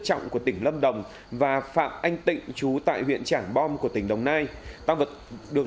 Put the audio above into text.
trọng của tỉnh lâm đồng và phạm anh tịnh chú tại huyện trảng bom của tỉnh đồng nai tăng vật được